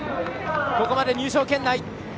ここまで入賞圏内。